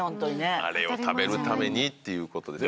あれを食べるためにっていう事で。